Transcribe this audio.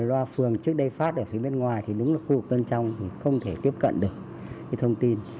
loa phường trước đây phát ở phía bên ngoài thì đúng là khu cân trong không thể tiếp cận được thông tin